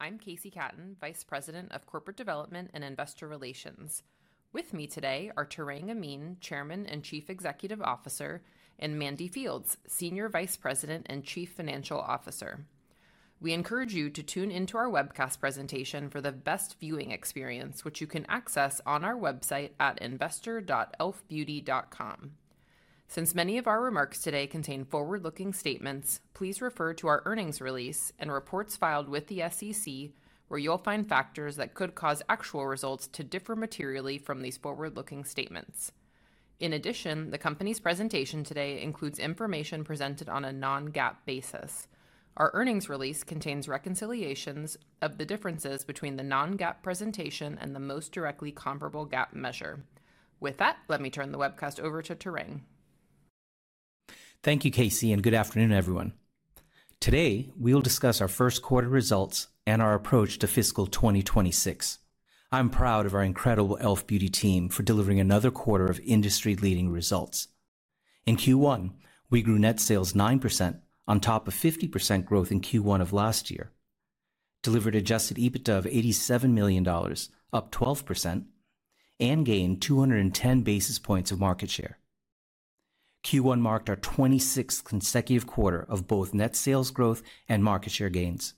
I'm KC Katten, Vice President of Corporate Development and Investor Relations. With me today are Tarang Amin, Chairman and Chief Executive Officer, and Melinda Fried, Senior Vice President and Chief Financial Officer. We encourage you to tune into our webcast presentation for the best viewing experience, which you can access on our website at investor.elfbeauty.com. Since many of our remarks today contain forward-looking statements, please refer to our earnings release and reports filed with the SEC, where you'll find factors that could cause actual results to differ materially from these forward-looking statements. In addition, the company's presentation today includes information presented on a non-GAAP basis. Our earnings release contains reconciliations of the differences between the non-GAAP presentation and the most directly comparable GAAP measure. With that, let me turn the webcast over to Tarang. Thank you, KC, and good afternoon, everyone. Today, we'll discuss our first quarter results and our approach to fiscal 2026. I'm proud of our incredible e.l.f. Beauty team for delivering another quarter of industry-leading results. In Q1, we grew net sales 9%, on top of 50% growth in Q1 of last year, delivered an adjusted EBITDA of $87 million, up 12%, and gained 210 basis points of market share. Q1 marked our 26th consecutive quarter of both net sales growth and market share gains.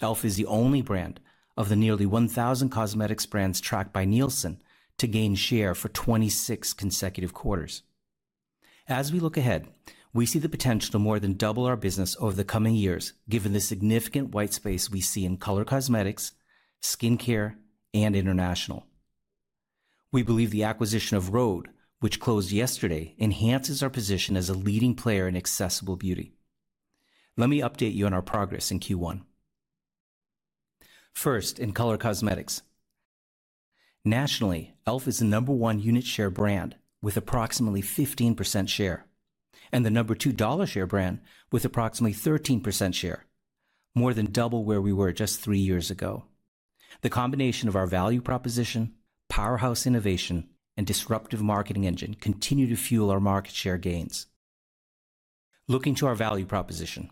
e.l.f. is the only brand of the nearly 1,000 cosmetics brands tracked by Nielsen to gain share for 26 consecutive quarters. As we look ahead, we see the potential to more than double our business over the coming years, given the significant white space we see in color cosmetics, skincare, and international. We believe the acquisition of Rhode, which closed yesterday, enhances our position as a leading player in accessible beauty. Let me update you on our progress in Q1. First, in color cosmetics. Nationally, e.l.f. is the number one unit share brand with approximately 15% share, and the number two dollar share brand with approximately 13% share, more than double where we were just three years ago. The combination of our value proposition, powerhouse innovation, and disruptive marketing engine continue to fuel our market share gains. Looking to our value proposition,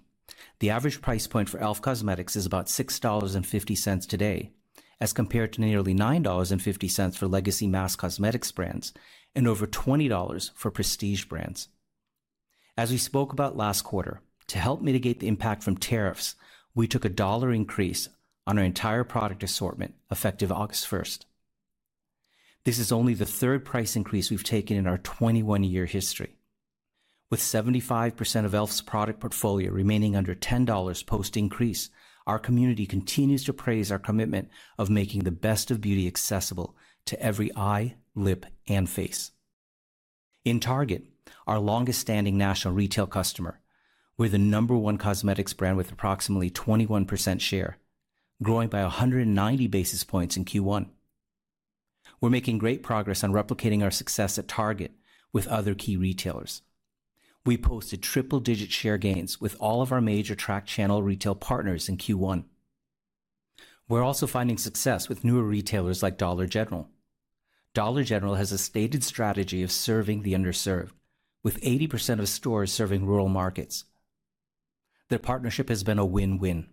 the average price point for e.l.f. Cosmetics is about $6.50 today, as compared to nearly $9.50 for legacy mass cosmetics brands and over $20 for prestige brands. As we spoke about last quarter, to help mitigate the impact from tariffs, we took a dollar increase on our entire product assortment effective August 1. This is only the third price increase we've taken in our 21-year history. With 75% of e.l.f.'s product portfolio remaining under $10 post-increase, our community continues to praise our commitment of making the best of beauty accessible to every eye, lip, and face. In Target, our longest-standing national retail customer, we're the number one cosmetics brand with approximately 21% share growing by 190 basis points in Q1. We're making great progress on replicating our success at Target with other key retailers. We posted triple-digit share gains with all of our major track channel retail partners in Q1. We're also finding success with newer retailers like Dollar General. Dollar General has a stated strategy of serving the underserved, with 80% of its stores serving rural markets. Their partnership has been a win-win.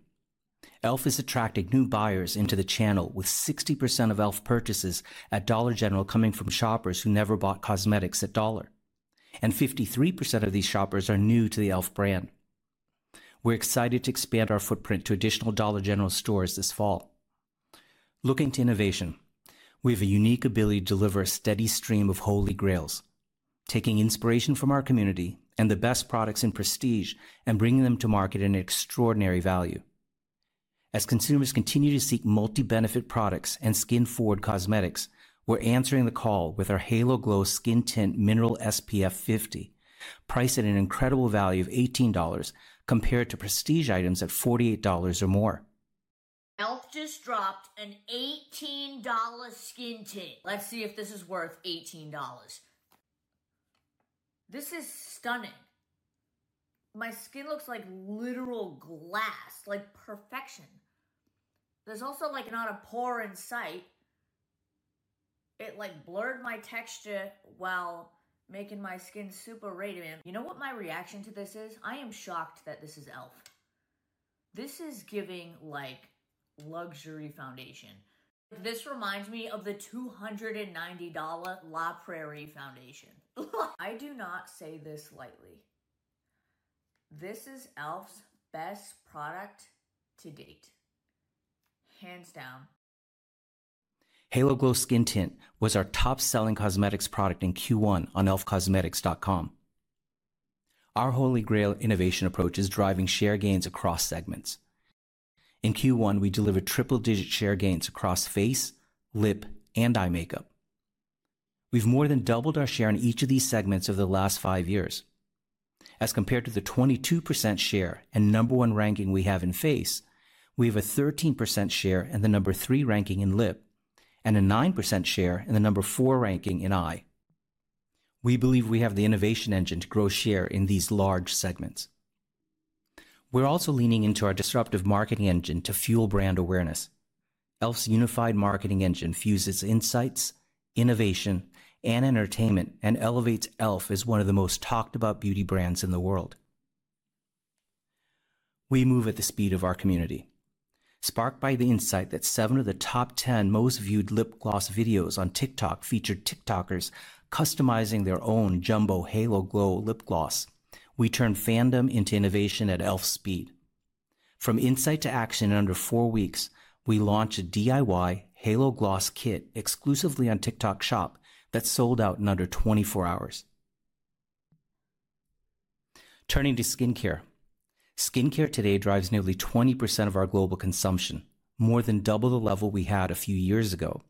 e.l.f. is attracting new buyers into the channel, with 60% of e.l.f. purchases at Dollar General coming from shoppers who never bought cosmetics at Dollar, and 53% of these shoppers are new to the e.l.f brand. We're excited to expand our footprint to additional Dollar General stores this fall. Looking to innovation, we have a unique ability to deliver a steady stream of holy grails, taking inspiration from our community and the best products in prestige and bringing them to market at an extraordinary value. As consumers continue to seek multi-benefit products and skin-forward cosmetics, we're answering the call with our Halo Glow Skin Tint Mineral SPF 50, priced at an incredible value of $18 compared to prestige items at $48 or more. e.l.f. just dropped an $18 skin tint, let's see if this is worth $18. This is stunning. My skin looks like literal glass, like perfection. There's also like not a pore in sight. It like blurred my texture while making my skin super radiant. You know what my reaction to this is? I am shocked that this is e.l.f. This is giving like luxury foundation. This reminds me of the $290 La Prairie Foundation, I do not say this lightly. This is e.l.f.'s best product to date, hands down. Halo Glow Skin Tint was our top-selling cosmetics product in Q1 on elfcosmetics.com. Our holy grail innovation approach is driving share gains across segments. In Q1, we delivered triple-digit share gains across face, lip, and eye makeup. We've more than doubled our share in each of these segments over the last five years. As compared to the 22% share and number one ranking we have in face, we have a 13% share and the number three ranking in lip, and a 9% share and the number four ranking in eye. We believe we have the innovation engine to grow share in these large segments. We're also leaning into our disruptive marketing engine to fuel brand awareness. e.l.f.'s unified marketing engine fuses insights, innovation, and entertainment and elevates e.l.f. as one of the most talked-about beauty brands in the world, we move at the speed of our community. Sparked by the insight that seven of the top 10 most viewed lip gloss videos on TikTok featured TikTokers customizing their own jumbo Halo Glow lip gloss, we turned fandom into innovation at e.l.f.'s speed. From insight to action in under four weeks, we launched a DIY Halo Gloss kit exclusively on TikTok Shop that sold out in under 24 hours. Turning to skincare, skincare today drives nearly 20% of our global consumption, more than double the level we had a few years ago,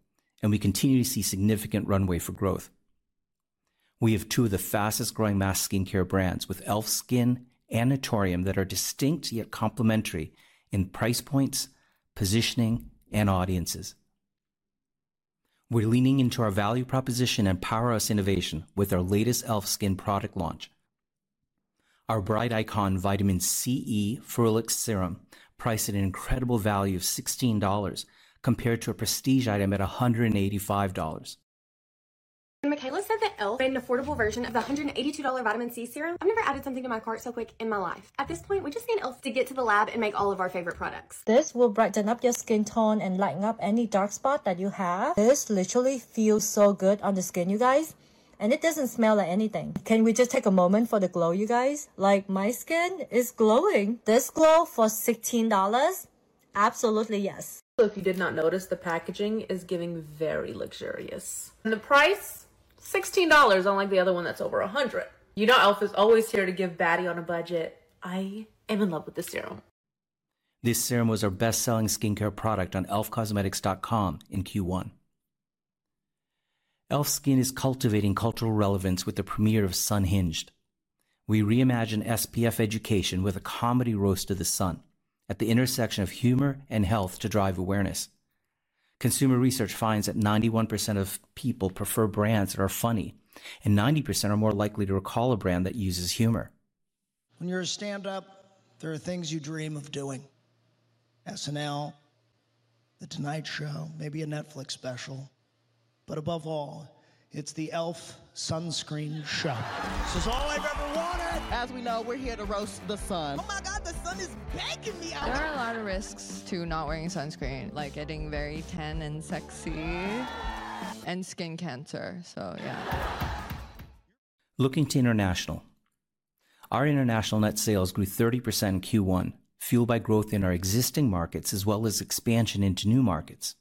and we continue to see significant runway for growth. We have two of the fastest growing mass skincare brands, with e.l.f. Skin and Naturium, that are distinct yet complementary in price points, positioning, and audiences. We're leaning into our value proposition and powerhouse innovation with our latest e.l.f. Skin product launch. Our Bright Icon Vitamin CE Furix Serum, priced at an incredible value of $16 compared to a prestige item at $185. Michaela said that e.l.f. is an affordable version of the $182 Vitamin C Serum. I've never added something to my cart so quick in my life. At this point, we just need e.l.f. to get to the lab and make all of our favorite products. This will brighten up your skin tone and lighten up any dark spot that you have. This literally feels so good on the skin, you guys, and it doesn't smell like anything. Can we just take a moment for the glow, you guys? Like my skin is glowing. This glow for $16? Absolutely yes. If you did not notice, the packaging is giving very luxurious. The price? $16, unlike the other one that's over $100. You know e.l.f. is always here to give baddie on a budget. I am in love with this serum. This serum was our best-selling skincare product on elfcosmetics.com in Q1. e.l.f. Skin is cultivating cultural relevance with the premiere of Sun Hinged. We reimagine SPF education with a comedy roast of the sun at the intersection of humor and health to drive awareness. Consumer research finds that 91% of people prefer brands that are funny, and 90% are more likely to recall a brand that uses humor. When you're a stand-up, there are things you dream of doing: SNL, The Tonight Show, maybe a Netflix special. Above all, it's the e.l.f. sunscreen show. This is all I've ever wanted. As we know, we're here to roast the sun. Oh my God, the sun is baking me out. There are a lot of risks to not wearing sunscreen, like getting very tan, sexy, and skin cancer, so yeah. Looking to international, our international net sales grew 30% in Q1, fueled by growth in our existing markets as well as expansion into new markets.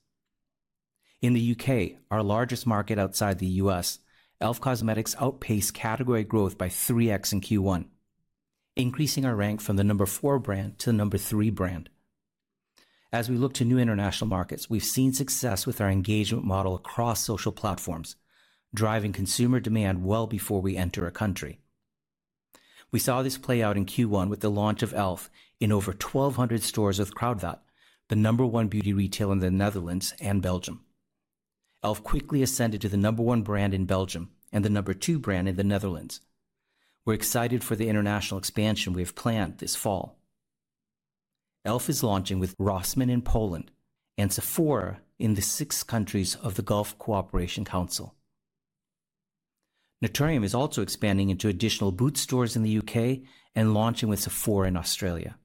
In the UK, our largest market outside the U.S., e.l.f. Cosmetics outpaced category growth by 3x in Q1, increasing our rank from the number four brand to the number three brand. As we look to new international markets, we've seen success with our engagement model across social platforms, driving consumer demand well before we enter a country. We saw this play out in Q1 with the launch of e.l.f. in over 1,200 stores with Kruidvat, the number one beauty retailer in the Netherlands and Belgium. e.l.f. quickly ascended to the number one brand in Belgium and the number two brand in the Netherlands. We're excited for the international expansion we have planned this fall. e.l.f. is launching with Rossmann in Poland and Sephora in the six countries of the Gulf Cooperation Council. Naturium is also expanding into additional Boots stores in the UK and launching with Sephora in Australia.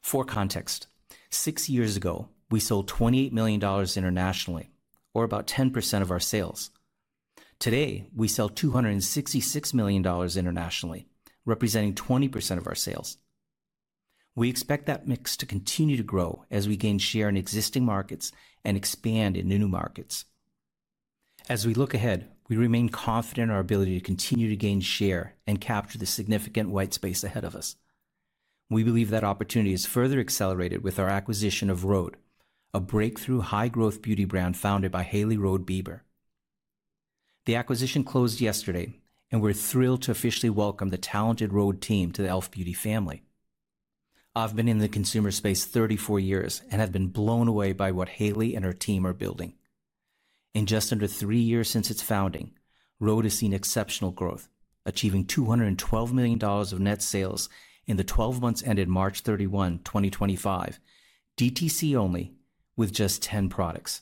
For context, six years ago, we sold $28 million internationally, or about 10% of our sales. Today, we sell $266 million internationally, representing 20% of our sales. We expect that mix to continue to grow as we gain share in existing markets and expand into new markets. As we look ahead, we remain confident in our ability to continue to gain share and capture the significant white space ahead of us. We believe that opportunity is further accelerated with our acquisition of Rhode, a breakthrough high-growth beauty brand founded by Hailey Rhode Bieber. The acquisition closed yesterday, and we're thrilled to officially welcome the talented Rhode team to the e.l.f. Beauty family. I've been in the consumer space 34 years and have been blown away by what Hailey and her team are building. In just under three years since its founding, Rhode has seen exceptional growth, achieving $212 million of net sales in the 12 months ended March 31, 2025, DTC only, with just 10 products.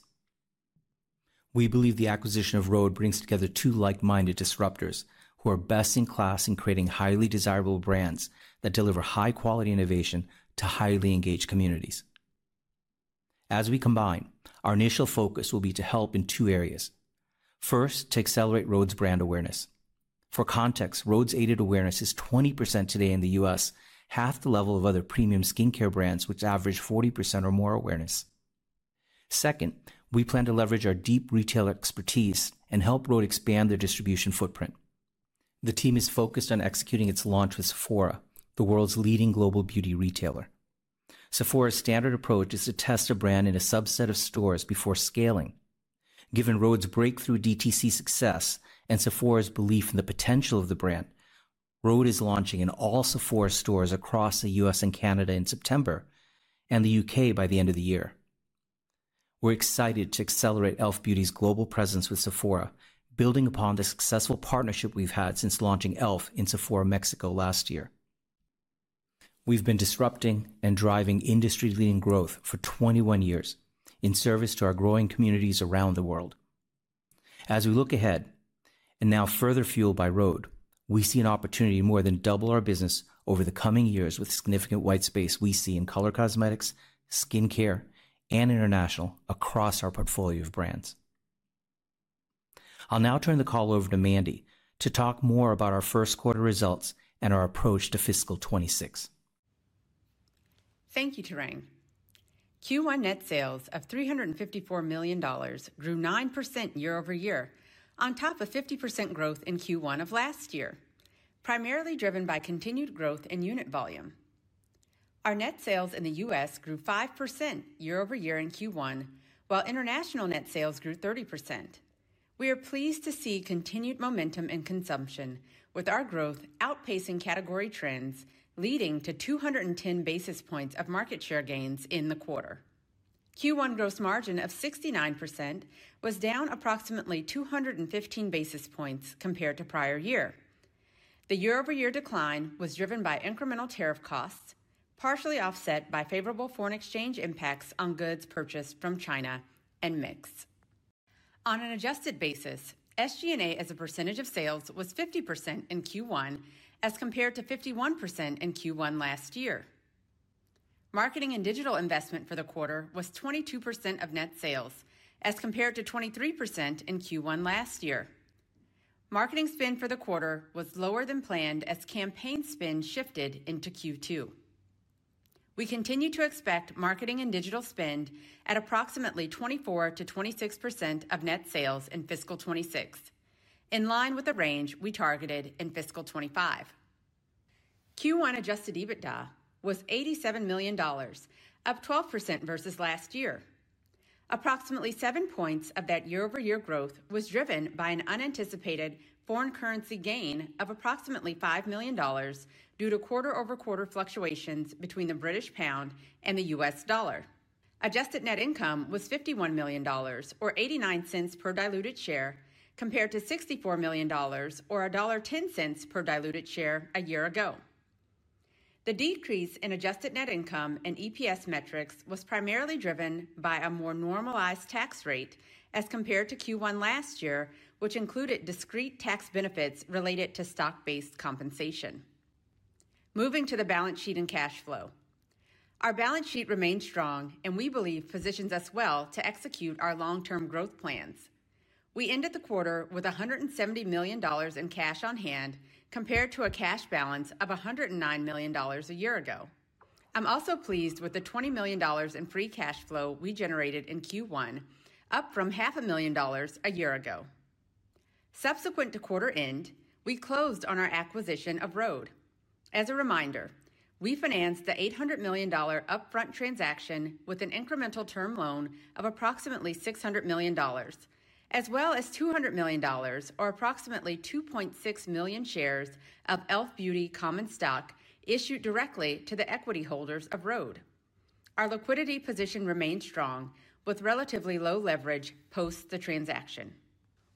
We believe the acquisition of Rhode brings together two like-minded disruptors who are best in class in creating highly desirable brands that deliver high-quality innovation to highly engaged communities. As we combine, our initial focus will be to help in two areas. First, to accelerate Rhode's brand awareness. For context, Rhode's aided awareness is 20% today in the U.S., half the level of other premium skincare brands, which average 40% or more awareness. Second, we plan to leverage our deep retailer expertise and help Rhode expand their distribution footprint. The team is focused on executing its launch with Sephora, the world's leading global beauty retailer. Sephora's standard approach is to test a brand in a subset of stores before scaling. Given Rhode's breakthrough DTC success and Sephora's belief in the potential of the brand, Rhode is launching in all Sephora stores across the U.S. and Canada in September and the UK by the end of the year. We're excited to accelerate e.l.f. Beauty's global presence with Sephora, building upon the successful partnership we've had since launching e.l.f. in Sephora, Mexico, last year. We've been disrupting and driving industry-leading growth for 21 years in service to our growing communities around the world. As we look ahead, and now further fueled by Rhode, we see an opportunity to more than double our business over the coming years with the significant white space we see in color cosmetics, skincare, and international across our portfolio of brands. I'll now turn the call over to Mandy to talk more about our first quarter results and our approach to fiscal 2026. Thank you, Tarang. Q1 net sales of $354 million grew 9% year over year, on top of 50% growth in Q1 of last year, primarily driven by continued growth in unit volume. Our net sales in the U.S. grew 5% year over year in Q1, while international net sales grew 30%. We are pleased to see continued momentum in consumption, with our growth outpacing category trends, leading to 210 basis points of market share gains in the quarter. Q1 gross margin of 69% was down approximately 215 basis points compared to prior year. The year-over-year decline was driven by incremental tariff costs, partially offset by favorable foreign exchange impacts on goods purchased from China and mix. On an adjusted basis, SG&A as a percentage of sales was 50% in Q1, as compared to 51% in Q1 last year. Marketing and digital investment for the quarter was 22% of net sales, as compared to 23% in Q1 last year. Marketing spend for the quarter was lower than planned as campaign spend shifted into Q2. We continue to expect marketing and digital spend at approximately 24% to 26% of net sales in fiscal 2026, in line with the range we targeted in fiscal 2025. Q1 adjusted EBITDA was $87 million, up 12% versus last year. Approximately seven points of that year-over-year growth was driven by an unanticipated foreign currency gain of approximately $5 million due to quarter-over-quarter fluctuations between the British pound and the U.S. dollar. Adjusted net income was $51 million or $0.89 per diluted share, compared to $64 million or $1.10 per diluted share a year ago. The decrease in adjusted net income and EPS metrics was primarily driven by a more normalized tax rate as compared to Q1 last year, which included discrete tax benefits related to stock-based compensation. Moving to the balance sheet and cash flow, our balance sheet remains strong, and we believe positions us well to execute our long-term growth plans. We ended the quarter with $170 million in cash on hand, compared to a cash balance of $109 million a year ago. I'm also pleased with the $20 million in free cash flow we generated in Q1, up from $0.5 million a year ago. Subsequent to quarter end, we closed on our acquisition of Rhode. As a reminder, we financed the $800 million upfront transaction with an incremental term loan of approximately $600 million, as well as $200 million, or approximately 2.6 million shares of e.l.f. Beauty common stock issued directly to the equity holders of Rhode. Our liquidity position remains strong, with relatively low leverage post the transaction.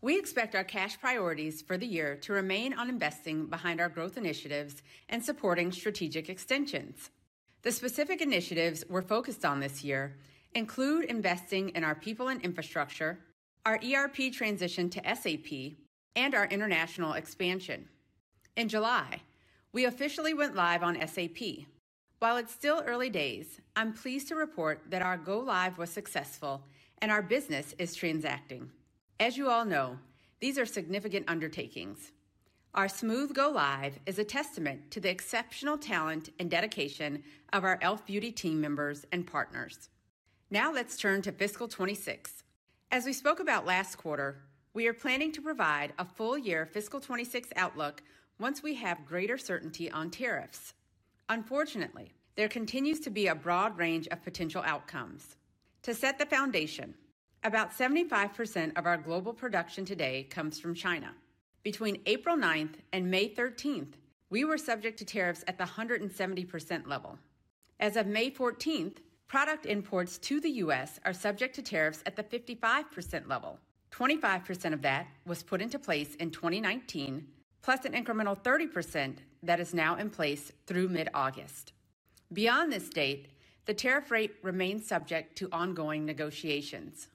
We expect our cash priorities for the year to remain on investing behind our growth initiatives and supporting strategic extensions. The specific initiatives we're focused on this year include investing in our people and infrastructure, our ERP transition to SAP, and our international expansion. In July, we officially went live on SAP. While it's still early days, I'm pleased to report that our go-live was successful and our business is transacting. As you all know, these are significant undertakings. Our smooth go-live is a testament to the exceptional talent and dedication of our e.l.f. Beauty team members and partners. Now let's turn to fiscal 2026. As we spoke about last quarter, we are planning to provide a full-year fiscal 2026 outlook once we have greater certainty on tariffs. Unfortunately, there continues to be a broad range of potential outcomes. To set the foundation, about 75% of our global production today comes from China. Between April 9 and May 13, we were subject to tariffs at the 170% level. As of May 14, product imports to the U.S. are subject to tariffs at the 55% level. 25% of that was put into place in 2019, plus an incremental 30% that is now in place through mid-August. Beyond this date, the tariff rate remains subject to ongoing negotiations.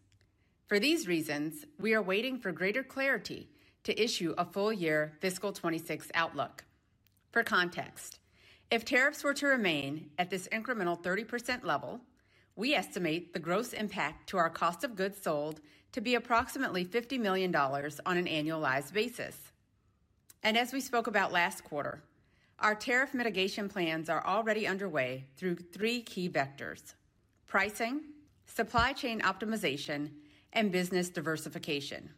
For these reasons, we are waiting for greater clarity to issue a full-year fiscal 2026 outlook. For context, if tariffs were to remain at this incremental 30% level, we estimate the gross impact to our cost of goods sold to be approximately $50 million on an annualized basis. As we spoke about last quarter, our tariff mitigation plans are already underway through three key vectors: pricing, supply chain optimization, and business diversification.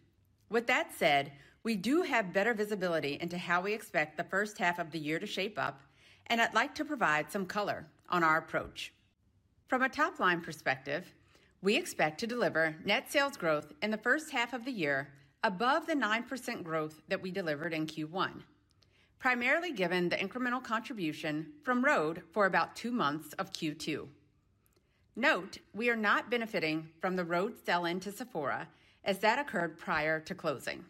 With that said, we do have better visibility into how we expect the first half of the year to shape up, and I'd like to provide some color on our approach. From a top-line perspective, we expect to deliver net sales growth in the first half of the year above the 9% growth that we delivered in Q1, primarily given the incremental contribution from Rhode for about two months of Q2. Note, we are not benefiting from the Rhode sell-in to Sephora as that occurred prior to closing.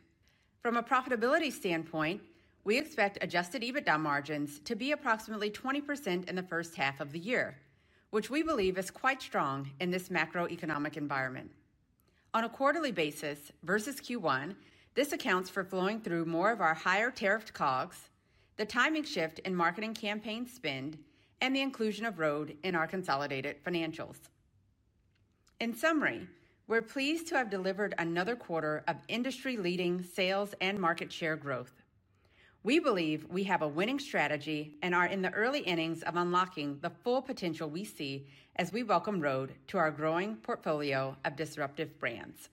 From a profitability standpoint, we expect adjusted EBITDA margins to be approximately 20% in the first half of the year, which we believe is quite strong in this macroeconomic environment. On a quarterly basis versus Q1, this accounts for flowing through more of our higher tariffed COGs, the timing shift in marketing campaign spend, and the inclusion of Rhode in our consolidated financials. In summary, we're pleased to have delivered another quarter of industry-leading sales and market share growth. We believe we have a winning strategy and are in the early innings of unlocking the full potential we see as we welcome Rhode to our growing portfolio of disruptive brands.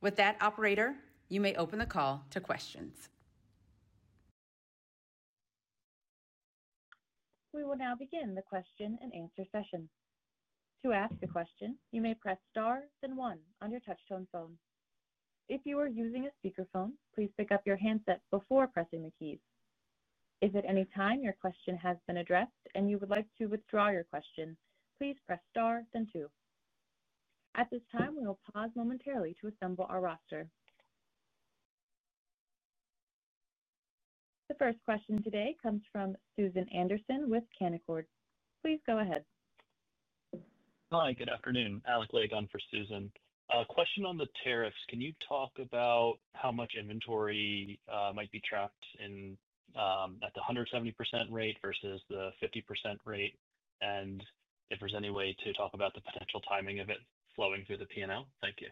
With that, operator, you may open the call to questions. We will now begin the question and answer session. To ask a question, you may press star then one on your touch-tone phone. If you are using a speakerphone, please pick up your handset before pressing the keys. If at any time your question has been addressed and you would like to withdraw your question, please press star then two. At this time, we will pause momentarily to assemble our roster. The first question today comes from Susan Anderson with Canaccord Genuity Corp. Please go ahead. Hi, good afternoon. Alec Legg on for Susan. A question on the tariffs. Can you talk about how much inventory might be tracked at the 170% rate versus the 50% rate? If there's any way to talk about the potential timing of it flowing through the P&L? Thank you.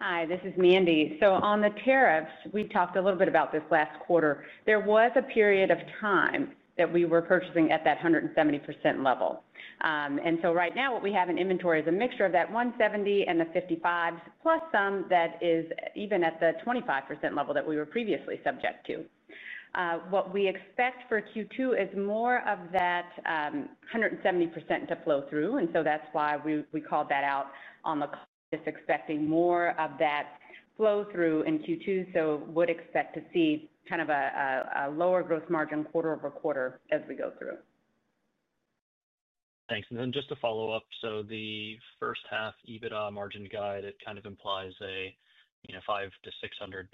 Hi, this is Mandy. On the tariffs, we talked a little bit about this last quarter. There was a period of time that we were purchasing at that 170% level. Right now what we have in inventory is a mixture of that 170% and the 55%, plus some that is even at the 25% level that we were previously subject to. What we expect for Q2 is more of that 170% to flow through, and so that's why we called that out on the call, just expecting more of that flow through in Q2, so would expect to see kind of a lower gross margin quarter over quarter as we go through. Thanks. Just to follow up, so the first half EBITDA margin guide kind of implies a 500 to 600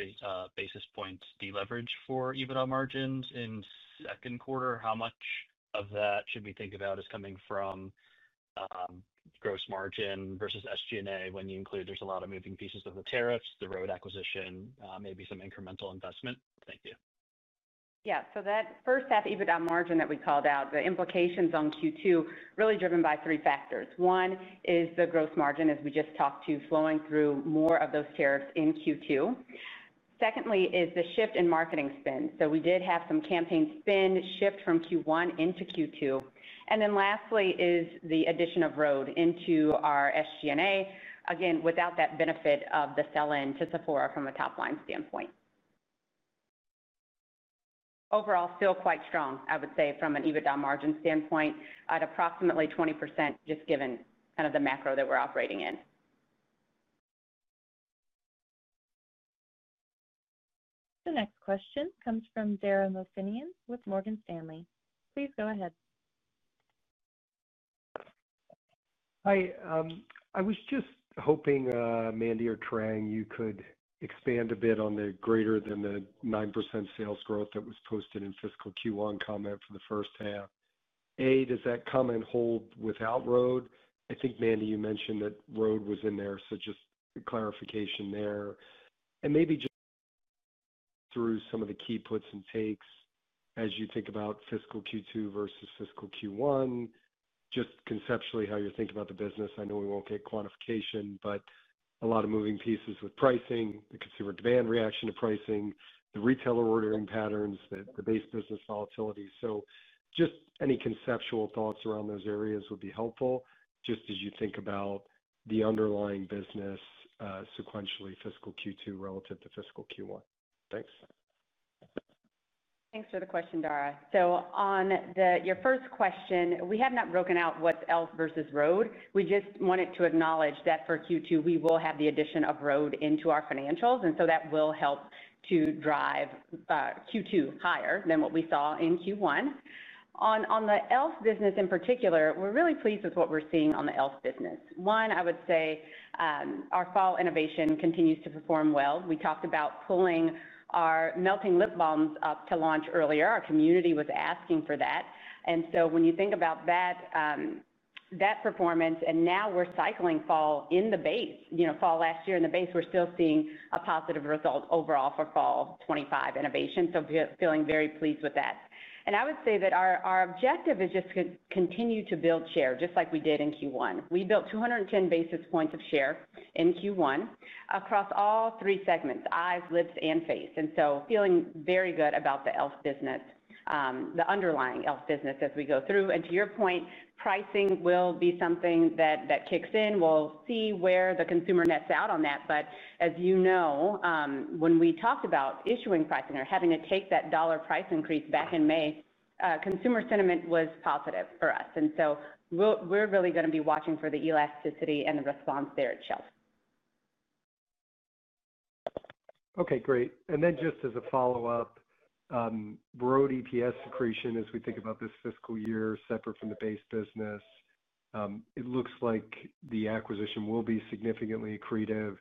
basis points deleverage for EBITDA margins. In the second quarter, how much of that should we think about is coming from gross margin versus SG&A when you include there's a lot of moving pieces of the tariffs, the Rhode acquisition, maybe some incremental investment? Thank you. Yeah, so that first half EBITDA margin that we called out, the implications on Q2 are really driven by three factors. One is the gross margin, as we just talked to, flowing through more of those tariffs in Q2. Secondly, the shift in marketing spend, so we did have some campaign spend shift from Q1 into Q2. Lastly, the addition of Rhode into our SG&A, again, without that benefit of the sell-in to Sephora from a top-line standpoint. Overall, still quite strong, I would say, from an EBITDA margin standpoint at approximately 20%, just given kind of the macro that we're operating in. The next question comes from Dara Mohsenian with Morgan Stanley. Please go ahead. Hi, I was just hoping, Mandy or Tarang, you could expand a bit on the greater than the 9% sales growth that was posted in fiscal Q1 comment for the first half. Does that comment hold without Rhode? I think, Mandy, you mentioned that Rhode was in there, so just clarification there and maybe just through some of the key puts and takes as you think about fiscal Q2 versus fiscal Q1, just conceptually how you're thinking about the business. I know we won't get quantification, but a lot of moving pieces with pricing, the consumer demand reaction to pricing, the retailer ordering patterns, the base business volatility. Any conceptual thoughts around those areas would be helpful, just as you think about the underlying business sequentially fiscal Q2 relative to fiscal Q1. Thanks. Thanks for the question, Dara. On your first question, we have not broken out what's e.l.f. versus Rhode. We just wanted to acknowledge that for Q2, we will have the addition of Rhode into our financials, and so that will help to drive Q2 higher than what we saw in Q1. On the e.l.f. business in particular, we're really pleased with what we're seeing on the e.l.f. business. One, I would say our fall innovation continues to perform well. We talked about pulling our melting lip balms up to launch earlier. Our community was asking for that. When you think about that performance, and now we're cycling fall in the base, you know, fall last year in the base, we're still seeing a positive result overall for fall 2025 innovation. Feeling very pleased with that. I would say that our objective is just to continue to build share, just like we did in Q1. We built 210 basis points of share in Q1 across all three segments, eyes, lips, and face. Feeling very good about the e.l.f. business, the underlying e.l.f. business as we go through and to your point, pricing will be something that kicks in, we'll see where the consumer nets out on that. As you know, when we talked about issuing pricing or having to take that dollar price increase back in May, consumer sentiment was positive for us. We're really going to be watching for the elasticity and the response there itself. Okay, great. Just as a follow-up, Rhode EPS accretion as we think about this fiscal year, separate from the base business, it looks like the acquisition will be significantly accretive.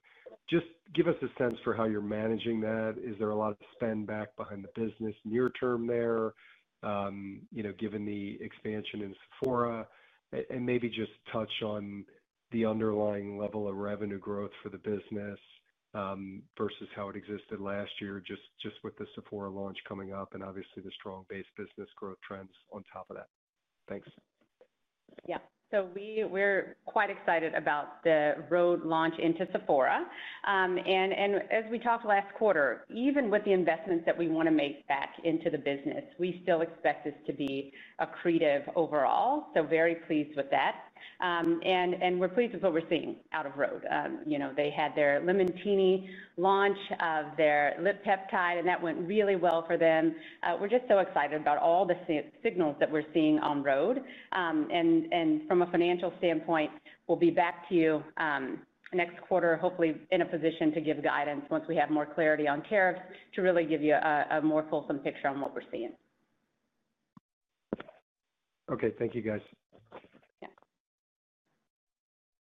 Just give us a sense for how you're managing that. Is there a lot of spend back behind the business near term there, given the expansion in Sephora? Maybe just touch on the underlying level of revenue growth for the business versus how it existed last year, just with the Sephora launch coming up and obviously the strong base business growth trends on top of that. Thanks. Yeah, we're quite excited about the Rhode launch into Sephora. As we talked last quarter, even with the investments that we want to make back into the business, we still expect this to be accretive overall. We're very pleased with that, and we're pleased with what we're seeing out of Rhode. They had their limoncini launch of their lip peptide, and that went really well for them. We're just so excited about all the signals that we're seeing on Rhode. From a financial standpoint, we'll be back to you next quarter, hopefully in a position to give guidance once we have more clarity on tariffs to really give you a more fulsome picture on what we're seeing. Okay, thank you guys.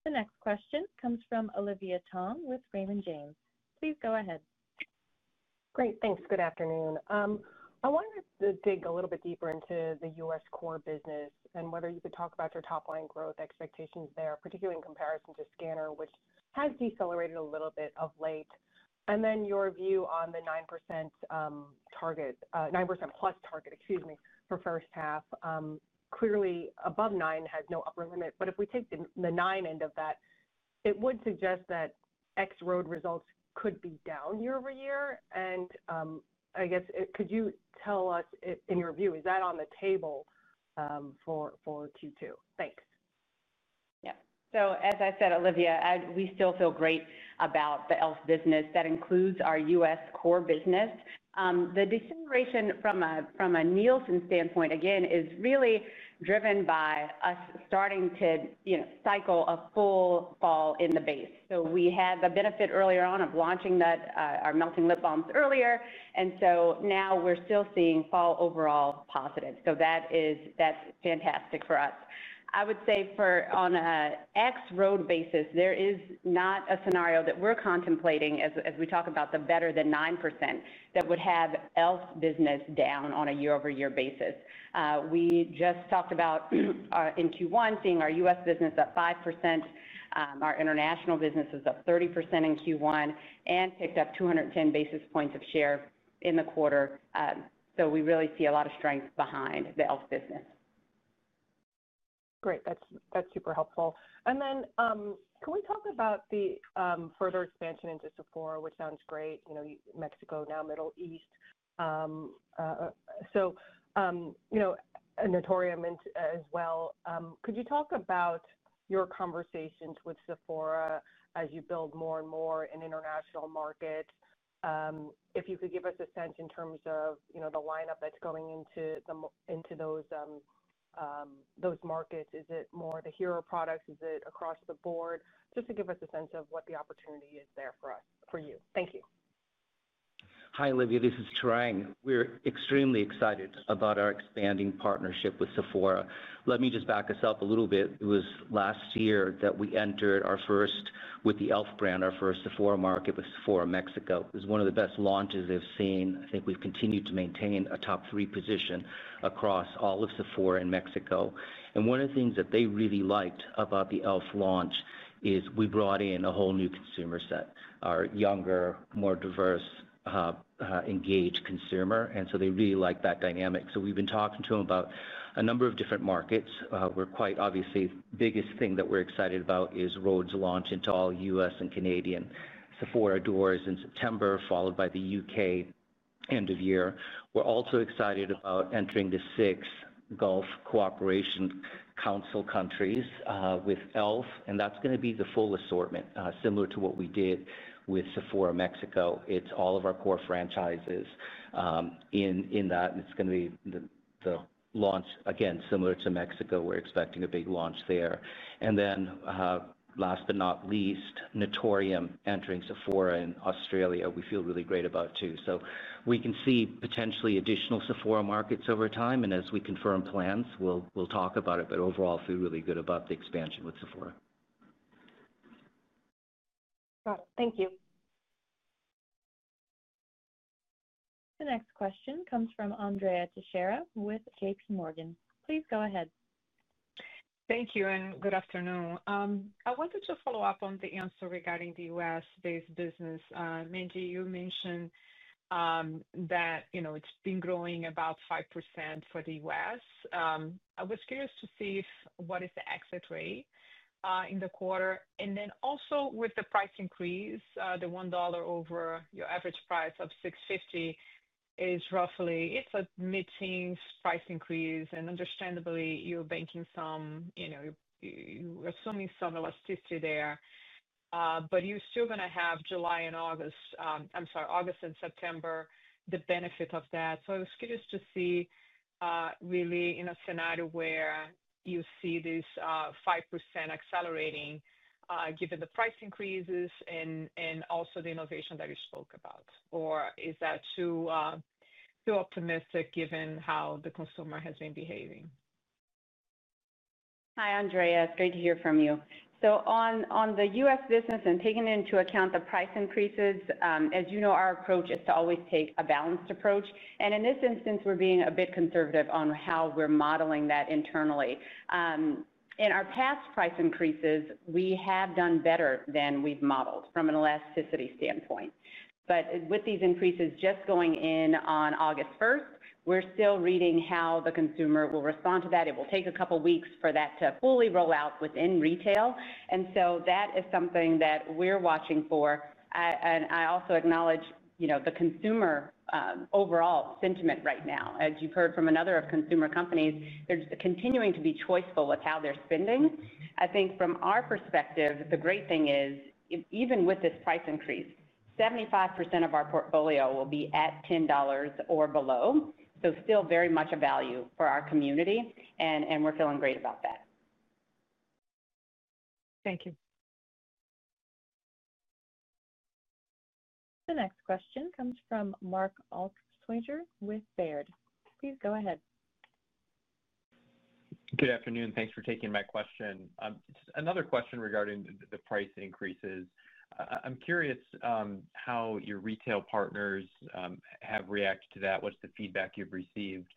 The next question comes from Olivia Tong with Raymond James. Please go ahead. Great, thanks. Good afternoon. I wanted to dig a little bit deeper into the U.S. core business and whether you could talk about your top-line growth expectations there, particularly in comparison to Scanner, which has decelerated a little bit of late. Your view on the 9% target, 9% plus target, excuse me, for first half. Clearly, above 9% has no upper limit. If we take the 9% end of that, it would suggest that ex-Rhode results could be down year over year, and I guess, could you tell us in your view, is that on the table for Q2? Thanks. Yeah, as I said, Olivia, we still feel great about the e.l.f. business. That includes our U.S. core business. The deceleration from a Nielsen standpoint is really driven by us starting to cycle a full fall in the base. We had the benefit earlier on of launching our melting lip balms earlier, and now we're still seeing fall overall positive. That is fantastic for us. I would say on an ex-Rhode basis, there is not a scenario that we're contemplating as we talk about the better than 9% that would have e.l.f. business down on a year-over-year basis. We just talked about in Q1 seeing our U.S. business up 5%, our international business is up 30% in Q1, and picked up 210 basis points of share in the quarter. We really see a lot of strength behind the e.l.f. business. Great, that's super helpful. Can we talk about the further expansion into Sephora, which sounds great? You know, Mexico now, Middle East, you know, Naturium as well. Could you talk about your conversations with Sephora as you build more and more in international markets? If you could give us a sense in terms of the lineup that's going into those markets, is it more the hero products? Is it across the board? Just to give us a sense of what the opportunity is there for us, for you. Thank you. Hi, Olivia. This is Tarang. We're extremely excited about our expanding partnership with Sephora. Let me just back us up a little bit. It was last year that we entered our first, with the e.l.f. brand, our first Sephora market with Sephora Mexico. It was one of the best launches they've seen. I think we've continued to maintain a top three position across all of Sephora in Mexico. One of the things that they really liked about the e.l.f. launch is we brought in a whole new consumer set, our younger, more diverse, engaged consumer, and so they really like that dynamic. We've been talking to them about a number of different markets. Quite obviously, the biggest thing that we're excited about is Rhode's launch into all U.S. and Canadian Sephora doors in September, followed by the UK end of year. We're also excited about entering the six Gulf Cooperation Council countries with e.l.f. That's going to be the full assortment, similar to what we did with Sephora Mexico. It's all of our core franchises in that. It's going to be the launch, again, similar to Mexico, we're expecting a big launch there. Last but not least, Naturium entering Sephora in Australia, we feel really great about too. We can see potentially additional Sephora markets over time. As we confirm plans, we'll talk about it. Overall, I feel really good about the expansion with Sephora. Got it. Thank you. The next question comes from Andrea Teixeira with JPMorgan. Please go ahead. Thank you and good afternoon. I wanted to follow up on the answer regarding the U.S.-based business. Mandy, you mentioned that, you know, it's been growing about 5% for the U.S. I was curious to see what is the exit rate in the quarter. Also, with the price increase, the $1 over your average price of $6.50 is roughly, it's a mid-teens price increase. Understandably, you're banking some, you know, you're assuming some elasticity there. You're still going to have August and September, the benefit of that, so I was curious to see really in a scenario where you see this 5% accelerating, given the price increases and also the innovation that you spoke about, or Is that too optimistic given how the consumer has been behaving? Hi, Andrea. It's great to hear from you. On the U.S. business and taking into account the price increases, as you know, our approach is to always take a balanced approach. In this instance, we're being a bit conservative on how we're modeling that internally. In our past price increases, we have done better than we've modeled from an elasticity standpoint, but with these increases just going in on August 1, we're still reading how the consumer will respond to that. It will take a couple of weeks for that to fully roll out within retail, and so that is something that we're watching for. I also acknowledge the consumer overall sentiment right now. As you've heard from other consumer companies, they're continuing to be choiceful with how they're spending. I think from our perspective, the great thing is even with this price increase, 75% of our portfolio will be at $10 or below, still very much a value for our community and we're feeling great about that. Thank you. The next question comes from Mark Altschwager with Baird. Please go ahead. Good afternoon. Thanks for taking my question. Just another question regarding the price increases. I'm curious how your retail partners have reacted to that. What's the feedback you've received?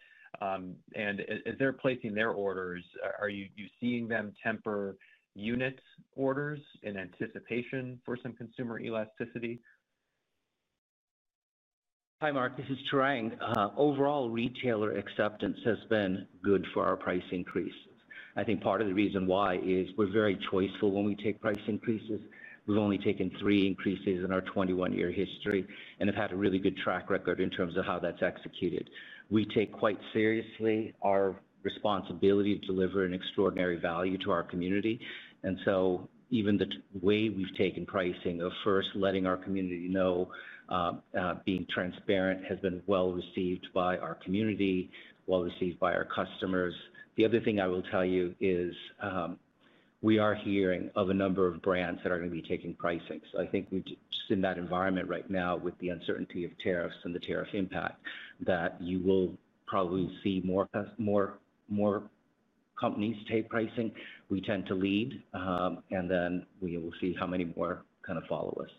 Is there a place in their orders? Are you seeing them temper unit orders in anticipation for some consumer elasticity? Hi, Mark. This is Tarang. Overall, retailer acceptance has been good for our price increases. I think part of the reason why is we're very choiceful when we take price increases. We've only taken three increases in our 21-year history and have had a really good track record in terms of how that's executed. We take quite seriously our responsibility to deliver an extraordinary value to our community, and so even the way we've taken pricing of first letting our community know, being transparent, has been well received by our community, well received by our customers. The other thing I will tell you is we are hearing of a number of brands that are going to be taking pricing. I think we're just in that environment right now with the uncertainty of tariffs and the tariff impact that you will probably see more companies take pricing. We tend to lead, and then we will see how many more kind of follow us.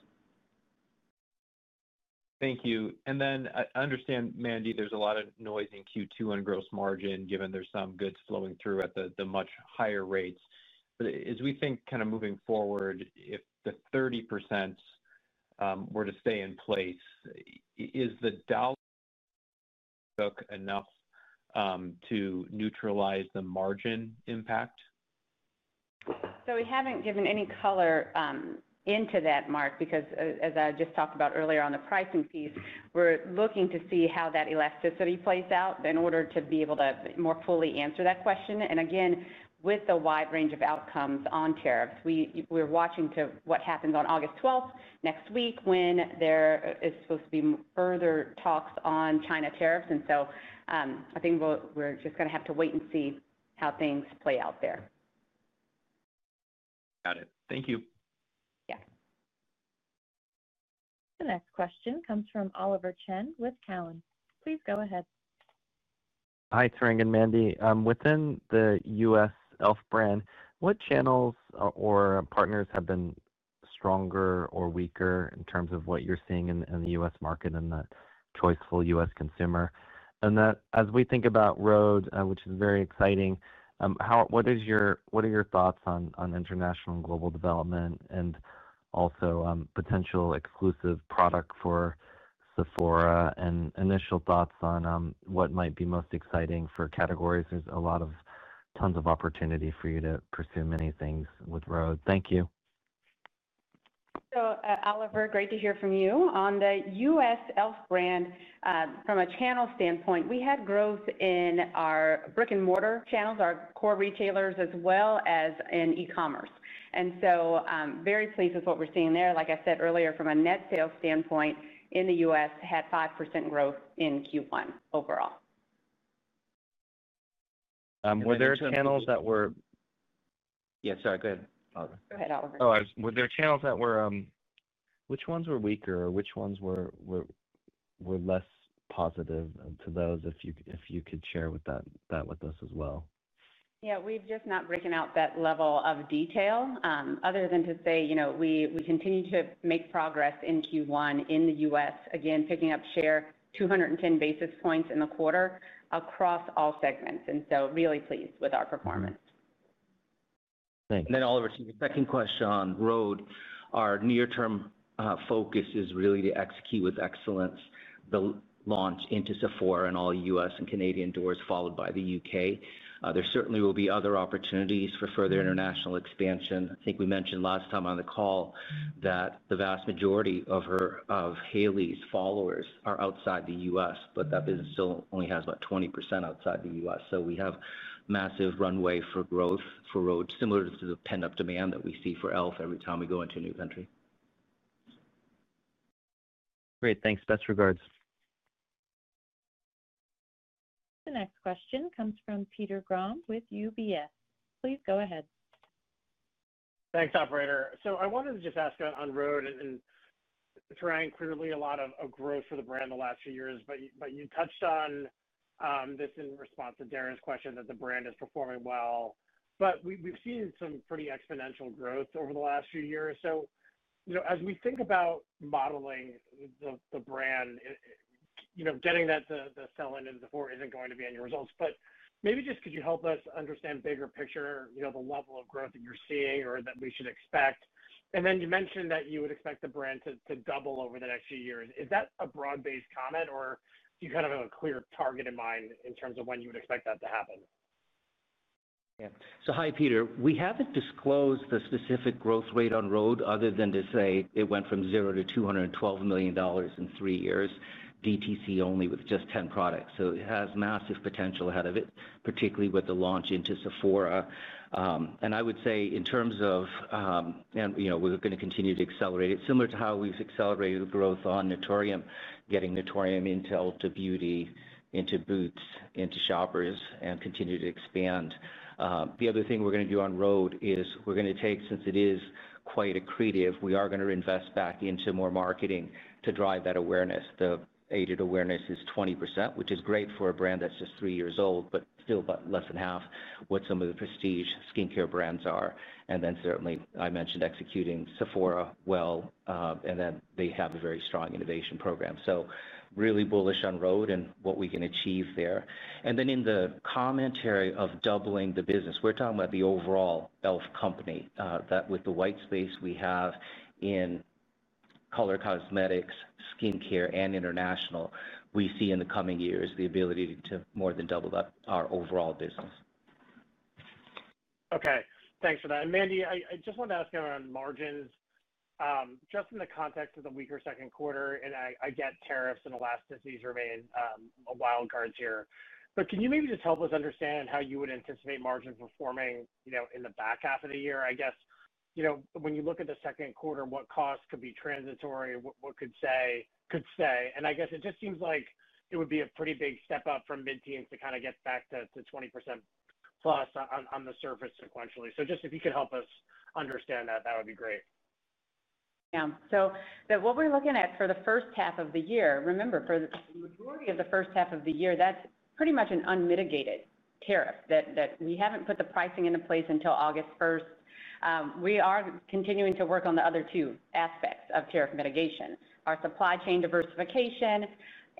Thank you. I understand, Mandy, there's a lot of noise in Q2 on gross margin, given there's some goods flowing through at the much higher rates. As we think kind of moving forward, if the 30% were to stay in place, is that enough to neutralize the margin impact? We haven't given any color into that, Mark, because as I just talked about earlier on the pricing piece, we're looking to see how that elasticity plays out in order to be able to more fully answer that question, and again, with the wide range of outcomes on tariffs, we're watching to see what happens on August 12 next week when there are supposed to be further talks on China tariffs. I think we're just going to have to wait and see how things play out there. Got it. Thank you. Yeah. The next question comes from Oliver Chen with TD Cowen. Please go ahead. Hi, Tarang and Mandy. Within the U.S. e.l.f. brand, what channels or partners have been stronger or weaker in terms of what you're seeing in the U.S. market and that choiceful U.S. consumer? As we think about Rhode, which is very exciting, what are your thoughts on international and global development and also potential exclusive product for Sephora and initial thoughts on what might be most exciting for categories? There is a lot of opportunity for you to pursue many things with Rhode. Thank you. Oliver, great to hear from you. On the U.S. e.l.f. brand, from a channel standpoint, we had growth in our brick-and-mortar channels, our core retailers, as well as in e-commerce, andso I'm very pleased with what we're seeing there. Like I said earlier, from a net sales standpoint in the U.S., had 5% growth in Q1 overall. Were there channels that were.......... Go ahead, Oliver. Were there channels that were... Which ones were weaker or which ones were less positive to those? If you could share that with us as well. Yeah, we've just not broken out that level of detail other than to say, you know, we continue to make progress in Q1 in the U.S., again, picking up share 210 basis points in the quarter across all segments, and so really pleased with our performance. Thanks. Oliver, to your second question on Rhode, our near-term focus is really to execute with excellence the launch into Sephora and all U.S. and Canadian doors, followed by the UK. There certainly will be other opportunities for further international expansion. I think we mentioned last time on the call that the vast majority of Hailey's followers are outside the U.S., but that business still only has about 20% outside the U.S. We have massive runway for growth for Rhode, similar to the pent-up demand that we see for e.l.f. every time we go into a new country. Great, thanks. Best regards. The next question comes from Peter Grom with UBS. Please go ahead. Thanks, operator. I wanted to just ask on Rhode, Tarang, clearly a lot of growth for the brand the last few years, but you touched on this in response to Dara's question that the brand is performing well. We've seen some pretty exponential growth over the last few years. As we think about modeling the brand, getting that the sell-in into the four isn't going to be in your results. Maybe just could you help us understand the bigger picture, the level of growth that you're seeing or that we should expect? You mentioned that you would expect the brand to double over the next few years. Is that a broad-based comment or do you kind of have a clear target in mind in terms of when you would expect that to happen? Yeah, so hi, Peter. We haven't disclosed the specific growth rate on Rhode other than to say it went from $0 to $212 million in three years, DTC only with just 10 products. It has massive potential ahead of it, particularly with the launch into Sephora. I would say in terms of, you know, we're going to continue to accelerate it, similar to how we've accelerated growth on Naturium, getting Naturium into Ulta Beauty, into Boots, into Shoppers, and continue to expand. The other thing we're going to do on Rhode is we're going to take, since it is quite accretive, we are going to invest back into more marketing to drive that awareness. The aided awareness is 20%, which is great for a brand that's just three years old, but still about less than half what some of the prestige skincare brands are. I mentioned executing Sephora well, and they have a very strong innovation program. Really bullish on Rhode and what we can achieve there. In the commentary of doubling the business, we're talking about the overall e.l.f. company, that with the white space we have in color cosmetics, skincare, and international, we see in the coming years the ability to more than double up our overall business. Okay, thanks for that. Mandy, I just wanted to ask you around margins, just in the context of the weaker second quarter and I get tariffs and elasticity remain wildcards here. Can you maybe just help us understand how you would anticipate margin performing in the back half of the year? When you look at the second quarter, what costs could be transitory? What could stay? It just seems like it would be a pretty big step up from mid-teens to get back to 20% plus on the surface sequentially. If you could help us understand that, that would be great. Yeah, so what we're looking at for the first half of the year, remember, for the majority of the first half of the year, that's pretty much an unmitigated tariff that we haven't put the pricing into place until August 1. We are continuing to work on the other two aspects of tariff mitigation, our supply chain diversification,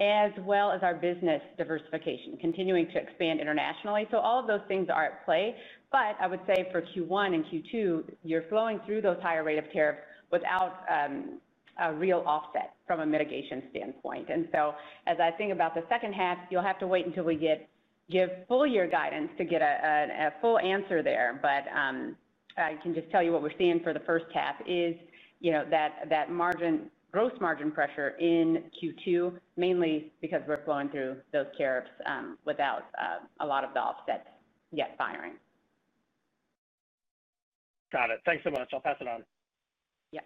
as well as our business diversification, continuing to expand internationally. All of those things are at play. I would say for Q1 and Q2, you're flowing through those higher rate of tariffs without a real offset from a mitigation standpoint. As I think about the second half, you'll have to wait until we give full-year guidance to get a full answer there. I can just tell you what we're seeing for the first half is, you know, that gross margin pressure in Q2, mainly because we're flowing through those tariffs without a lot of the offset yet firing. Got it. Thanks so much. I'll pass it on. Yep.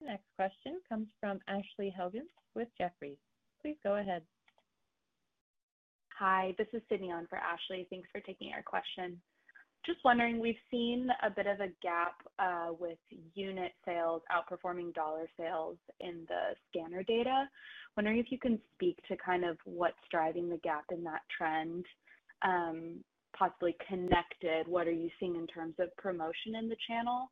The next question comes from Ashley Helgans with Jefferies. Please go ahead. Hi, this is Sydney on for Ashley. Thanks for taking our question. Just wondering, we've seen a bit of a gap with unit sales outperforming dollar sales in the scanner data. Wondering if you can speak to kind of what's driving the gap in that trend, possibly connected, what are you seeing in terms of promotion in the channel?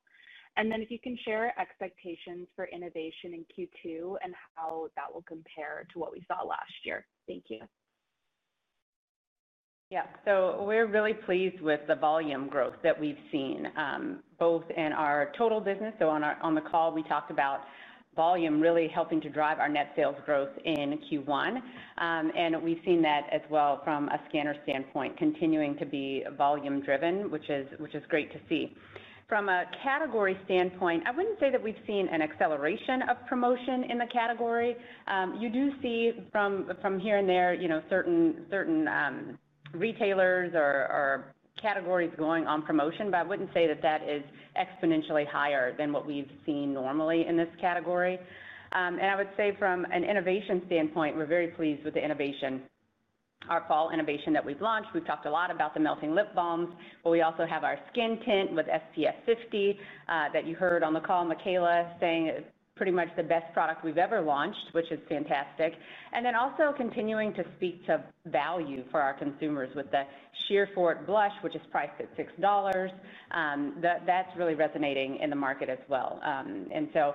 If you can share expectations for innovation in Q2 and how that will compare to what we saw last year. Thank you. Yeah, so we're really pleased with the volume growth that we've seen, both in our total business. On the call, we talked about volume really helping to drive our net sales growth in Q1. We've seen that as well from a scanner standpoint, continuing to be volume-driven, which is great to see. From a category standpoint, I wouldn't say that we've seen an acceleration of promotion in the category. You do see from here and there, you know, certain retailers or categories going on promotion, but I wouldn't say that that is exponentially higher than what we've seen normally in this category. From an innovation standpoint, we're very pleased with the innovation, our fall innovation that we've launched. We've talked a lot about the melting lip balms, but we also have our Halo Glow Skin Tint Mineral SPF 50 that you heard on the call, Mikayla, saying pretty much the best product we've ever launched, which is fantastic. Also, continuing to speak to value for our consumers with the Sheer Fort blush, which is priced at $6. That's really resonating in the market as well, and so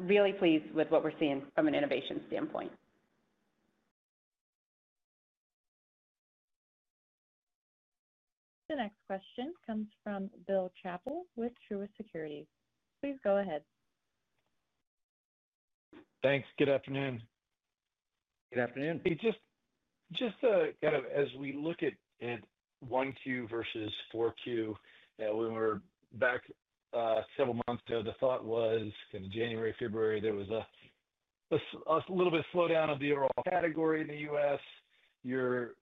we're really pleased with what we're seeing from an innovation standpoint. The next question comes from Bill Chappell with Truist Securities. Please go ahead. Thanks. Good afternoon. Good afternoon. Just kind of as we look at one Q versus four Q, when we were back several months ago, the thought was kind of January, February, there was a little bit of slowdown of the overall category in the U.S. Your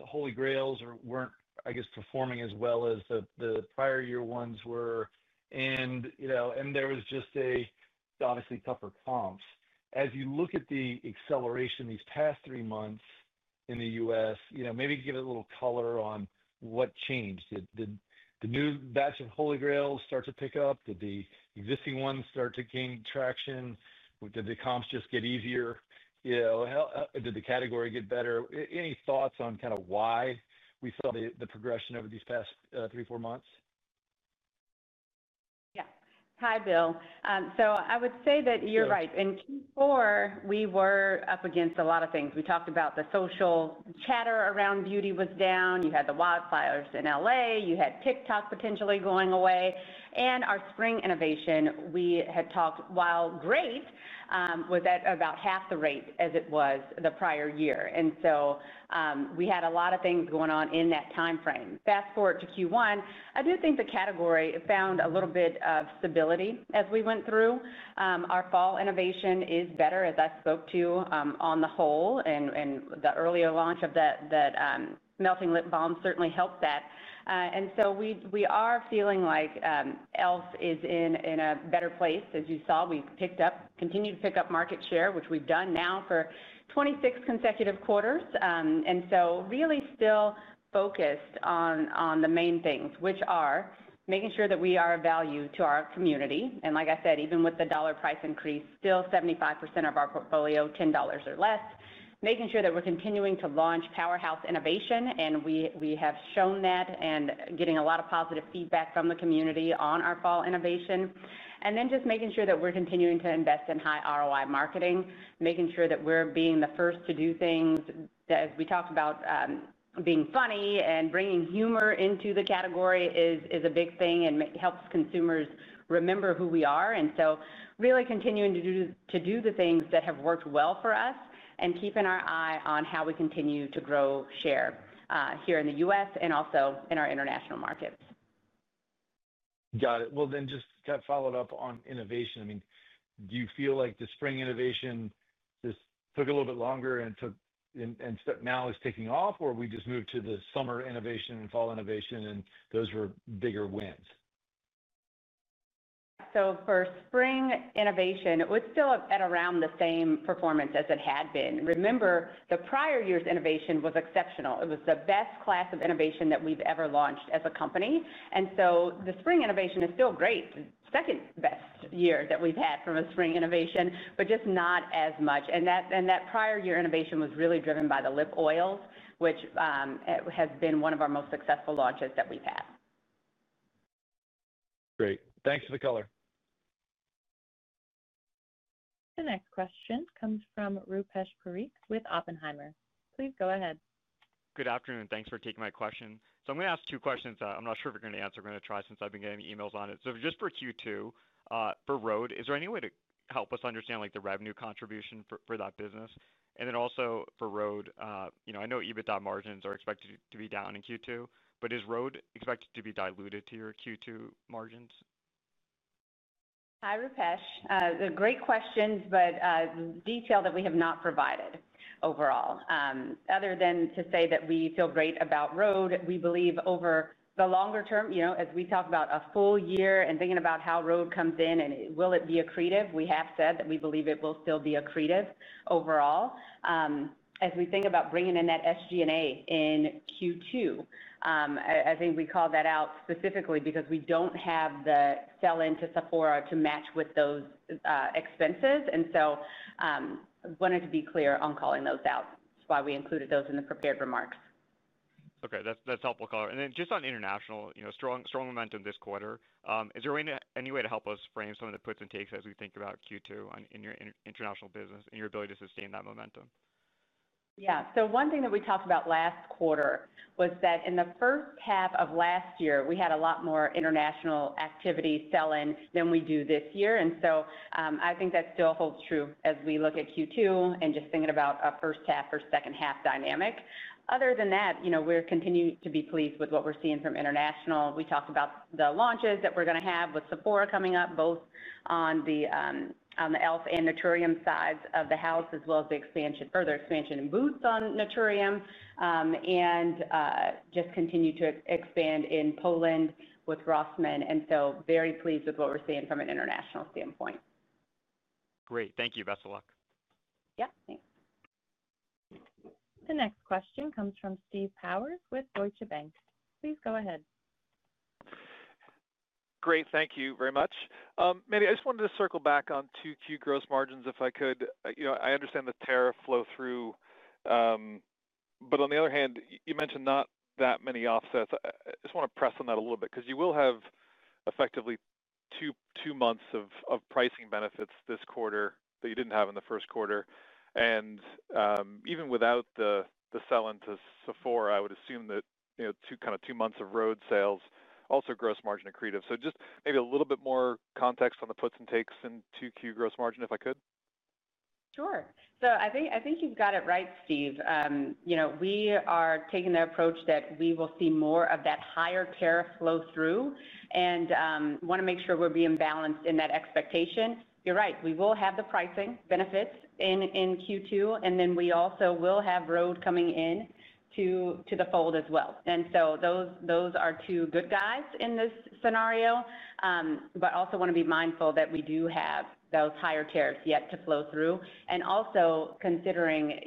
holy grails weren't, I guess, performing as well as the prior year ones were. There was just obviously tougher comps. As you look at the acceleration these past three months in the U.S., maybe you can give a little color on what changed. Did the new batch of holy grails start to pick up? Did the existing ones start to gain traction? Did the comps just get easier? Did the category get better? Any thoughts on kind of why we saw the progression over these past three, four months? Yeah. Hi, Bill. I would say that you're right. In Q4, we were up against a lot of things. We talked about the social chatter around beauty was down, you had the wildfires in LA, you had TikTok potentially going away, and our spring innovation, we had talked, while great, was at about half the rate as it was the prior year. We had a lot of things going on in that timeframe. Fast forward to Q1, I do think the category found a little bit of stability as we went through. Our fall innovation is better, as I spoke to, on the whole, and the earlier launch of that melting lip balm certainly helped that. We are feeling like e.l.f. is in a better place. As you saw, we've continued to pick up market share, which we've done now for 26 consecutive quarters. We are really still focused on the main things, which are making sure that we are of value to our community. Like I said, even with the dollar price increase, still 75% of our portfolio, $10 or less. Making sure that we're continuing to launch powerhouse innovation, and we have shown that and getting a lot of positive feedback from the community on our fall innovation. Just making sure that we're continuing to invest in high ROI marketing, making sure that we're being the first to do things that, as we talked about, being funny and bringing humor into the category is a big thing and helps consumers remember who we are. We are really continuing to do the things that have worked well for us and keeping our eye on how we continue to grow share here in the U.S. and also in our international markets. Got it. Just kind of following up on innovation, do you feel like the spring innovation just took a little bit longer and now is ticking off, or we just moved to the summer innovation and fall innovation, and those were bigger wins? For spring innovation, it was still at around the same performance as it had been. Remember, the prior year's innovation was exceptional. It was the best class of innovation that we've ever launched as a company. The spring innovation is still great, the second best year that we've had from a spring innovation, just not as much. That prior year innovation was really driven by the lip oils, which have been one of our most successful launches that we've had. Great, thanks for the color. The next question comes from Rupesh Parikh with Oppenheimer & Co. Please go ahead. Good afternoon. Thanks for taking my question. I'm going to ask two questions. I'm not sure if you're going to answer. I'm going to try since I've been getting emails on it. Just for Q2, for Rhode, is there any way to help us understand like the revenue contribution for that business? Also, for Rhode, I know EBITDA margins are expected to be down in Q2, but is Rhode expected to be diluted to your Q2 margins? Hi, Rupesh. Great questions, but detail that we have not provided overall. Other than to say that we feel great about Rhode, we believe over the longer term, you know, as we talk about a full year and thinking about how Rhode comes in and will it be accretive, we have said that we believe it will still be accretive overall. As we think about bringing in that SG&A in Q2, I think we call that out specifically because we don't have the sell-in to Sephora to match with those expenses. I wanted to be clear on calling those out. That's why we included those in the prepared remarks. Okay, that's helpful. Just on international, you know, strong momentum this quarter. Is there any way to help us frame some of the puts and takes as we think about Q2 in your international business and your ability to sustain that momentum? Yeah, so one thing that we talked about last quarter was that in the first half of last year, we had a lot more international activity sell-in than we do this year. I think that still holds true as we look at Q2 and just thinking about our first half or second half dynamic. Other than that, we're continuing to be pleased with what we're seeing from international. We talked about the launches that we're going to have with Sephora coming up, both on the e.l.f. and Naturium sides of the house, as well as the expansion, further expansion in booths on Naturium, and just continue to expand in Poland with Rossmann. Very pleased with what we're seeing from an international standpoint. Great, thank you. Best of luck. Yep, thanks. The next question comes from Steve Powers with Deutsche Bank. Please go ahead. Great, thank you very much. Mandy, I just wanted to circle back on 2Q gross margins if I could. I understand the tariff flow through, but on the other hand, you mentioned not that many offsets. I just want to press on that a little bit because you will have effectively two months of pricing benefits this quarter that you didn't have in the first quarter. Even without the sell-in to Sephora, I would assume that two months of Rhode sales are also gross margin accretive. Just maybe a little bit more context on the puts and takes in 2Q gross margin if I could. Sure. I think you've got it right, Steve. We are taking the approach that we will see more of that higher tariff flow through and want to make sure we're being balanced in that expectation. You're right. We will have the pricing benefits in Q2, and we also will have Rhode coming into the fold as well, and so those are two good guys in this scenario, but also want to be mindful that we do have those higher tariffs yet to flow through. Also considering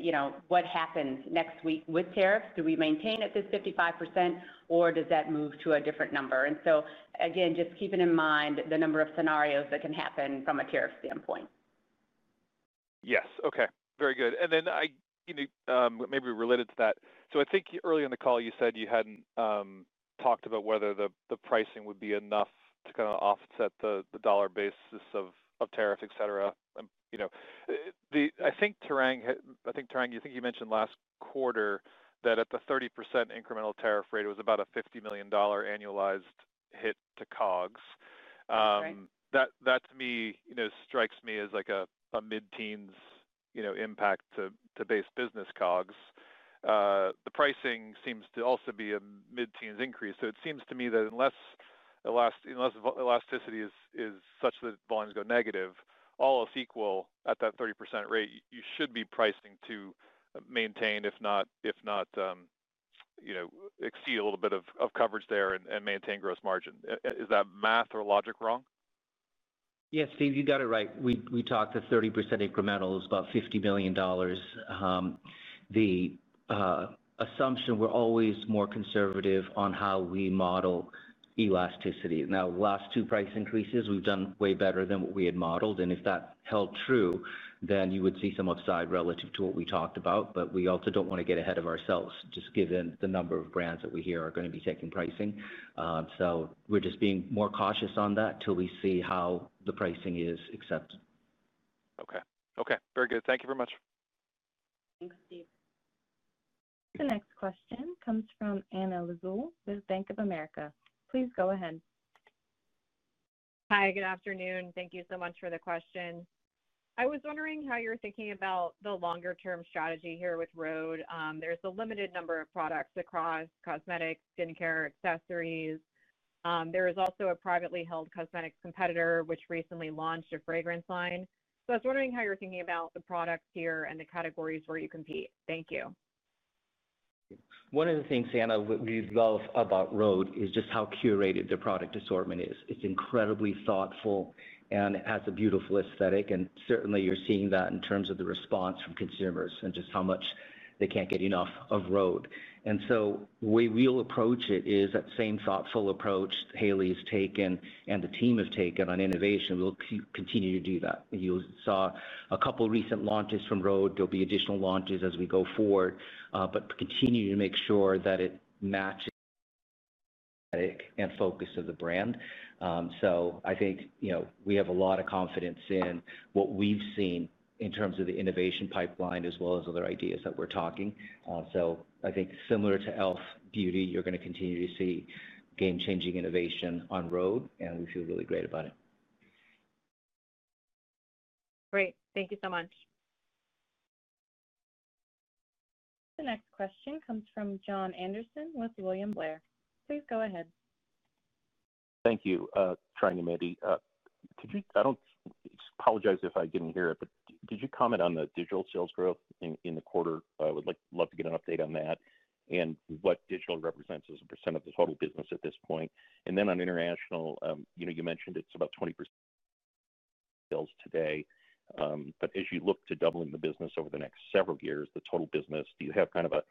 what happens next week with tariffs. Do we maintain at this 55% or does that move to a different number? Again, just keeping in mind the number of scenarios that can happen from a tariff standpoint. Yes, okay, very good. Maybe related to that, I think early in the call you said you hadn't talked about whether the pricing would be enough to kind of offset the dollar basis of tariff, etc. I think Tarang, you mentioned last quarter that at the 30% incremental tariff rate it was about a $50 million annualized hit to COGS. That to me strikes me as like a mid-teens impact to base business COGS. The pricing seems to also be a mid-teens increase. It seems to me that unless elasticity is such that volumes go negative, all else equal, at that 30% rate, you should be pricing to maintain, if not exceed a little bit of coverage there and maintain gross margin. Is that math or logic wrong? Yeah, Steve, you got it right. We talked to 30% incremental, it was about $50 million. The assumption, we're always more conservative on how we model elasticity. Now, the last two price increases, we've done way better than what we had modeled. If that held true, then you would see some upside relative to what we talked about. We also don't want to get ahead of ourselves, just given the number of brands that we hear are going to be taking pricing. We're just being more cautious on that till we see how the pricing is accepted. Okay, very good. Thank you very much. Thanks, Steve. The next question comes from Anna Lizzul with BofA Securities. Please go ahead. Hi, good afternoon. Thank you so much for the question. I was wondering how you're thinking about the longer-term strategy here with Rhode. There's a limited number of products across cosmetics, skincare, accessories. There is also a privately held cosmetics competitor, which recently launched a fragrance line. I was wondering how you're thinking about the products here and the categories where you compete. Thank you. One of the things, Anna, we love about Rhode is just how curated the product assortment is. It's incredibly thoughtful, and it has a beautiful aesthetic. Certainly, you're seeing that in terms of the response from consumers and just how much they can't get enough of Rhode. The way we'll approach it is that same thoughtful approach Hailey's taken and the team have taken on innovation. We'll continue to do that. You saw a couple of recent launches from Rhode. There'll be additional launches as we go forward, but continue to make sure that it matches the focus of the brand. I think we have a lot of confidence in what we've seen in terms of the innovation pipeline as well as other ideas that we're talking. I think similar to e.l.f. Beauty, you're going to continue to see game-changing innovation on Rhode, and we feel really great about it. Great, thank you so much. The next question comes from Jon Andersen with William Blair. Please go ahead. Thank you, Tarang and Mandy. I apologize if I didn't hear it, but did you comment on the digital sales growth in the quarter? I would like to get an update on that and what digital represents as a % of the total business at this point. On international, you mentioned it's about 20% sales today. As you look to doubling the business over the next several years, the total business, do you have kind of a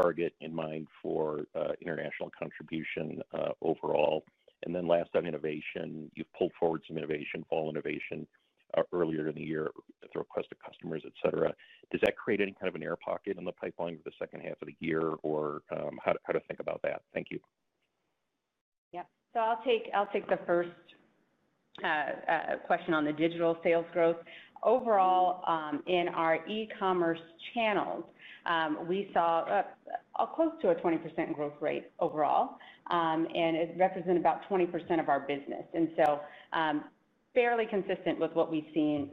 target in mind for international contribution overall? Last, on innovation, you've pulled forward some innovation, fall innovation earlier in the year at the request of customers, etc. Does that create any kind of an air pocket in the pipeline for the second half of the year or how to think about that? Thank you. Yeah, I'll take the first question on the digital sales growth. Overall, in our e-commerce channels, we saw close to a 20% growth rate overall, and it represented about 20% of our business, and so fairly consistent with what we've seen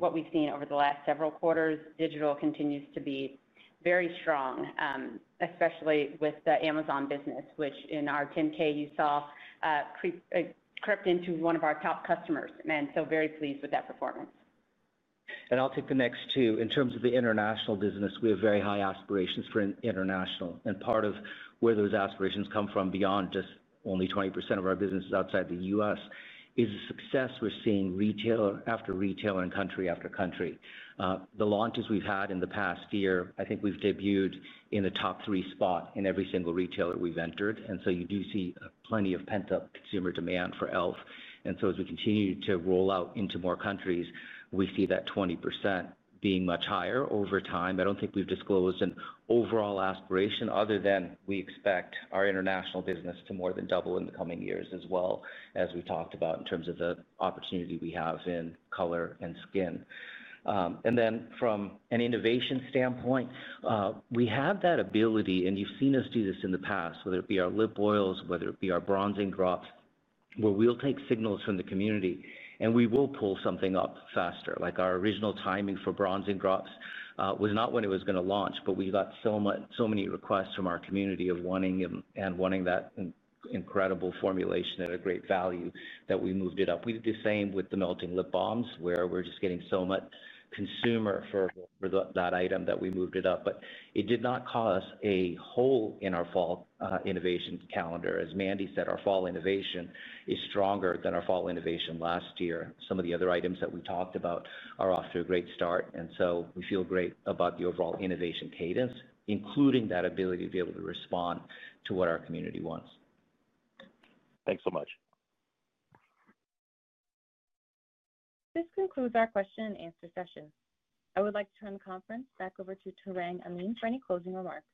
over the last several quarters. Digital continues to be very strong, especially with the Amazon business, which in our 10-K you saw crept into one of our top customers. I'm very pleased with that performance. I'll take the next two. In terms of the international business, we have very high aspirations for international. Part of where those aspirations come from beyond just only 20% of our business is outside the U.S. is the success we're seeing retailer after retailer and country after country. The launches we've had in the past year, I think we've debuted in the top three spot in every single retailer we've entered. You do see plenty of pent-up consumer demand for e.l.f. As we continue to roll out into more countries, we see that 20% being much higher over time. I don't think we've disclosed an overall aspiration other than we expect our international business to more than double in the coming years, as well as we talked about in terms of the opportunity we have in color and skin. From an innovation standpoint, we have that ability, and you've seen us do this in the past, whether it be our lip oils, whether it be our bronzing drops, where we'll take signals from the community and we will pull something up faster. Our original timing for bronzing drops was not when it was going to launch, but we got so many requests from our community of wanting them and wanting that incredible formulation at a great value that we moved it up. We did the same with the melting lip balms, where we're just getting so much consumer for that item that we moved it up. It did not cause a hole in our fall innovation calendar. As Mandy Fields said, our fall innovation is stronger than our fall innovation last year. Some of the other items that we talked about are off to a great start. We feel great about the overall innovation cadence, including that ability to be able to respond to what our community wants. Thanks so much. This concludes our question and answer session. I would like to turn the conference back over to Tarang Amin for any closing remarks.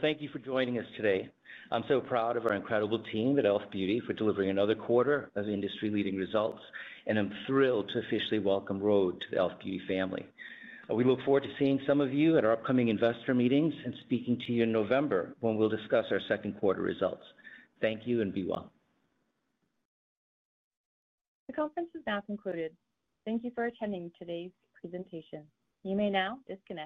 Thank you for joining us today. I'm so proud of our incredible team at e.l.f. Beauty for delivering another quarter of industry-leading results and I'm thrilled to officially welcome Rhode to the e.l.f. Beauty family. We look forward to seeing some of you at our upcoming investor meetings and speaking to you in November when we'll discuss our second quarter results. Thank you and be well. The conference is now concluded. Thank you for attending today's presentation, you may now disconnect.